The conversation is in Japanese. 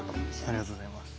ありがとうございます。